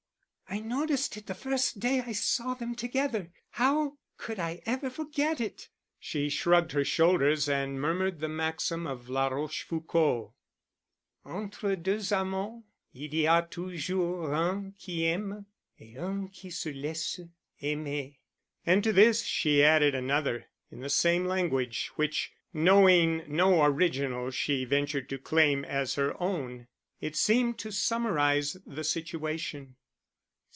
"I noticed it the first day I saw them together. How could I ever forget it!" She shrugged her shoulders and murmured the maxim of La Rochefoucauld "Entre deux amants il y a toujours un qui aime, et un qui se laisse aimer." And to this she added another, in the same language, which, knowing no original, she ventured to claim as her own; it seemed to summarise the situation.